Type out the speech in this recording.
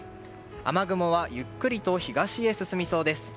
雨雲はゆっくりと東へ進みそうです。